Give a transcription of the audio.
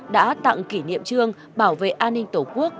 đã tặng kỷ niệm trương bảo vệ an ninh tổ quốc